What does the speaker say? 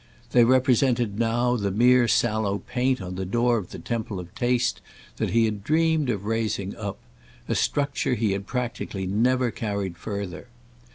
They represented now the mere sallow paint on the door of the temple of taste that he had dreamed of raising up—a structure he had practically never carried further.